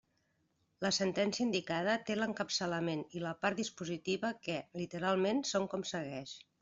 La sentència indicada té l'encapçalament i la part dispositiva que, literalment, són com segueix.